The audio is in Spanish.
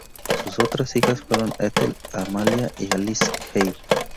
Sus otras hijas fueron Ethel, Amalia y Alicia Hebe.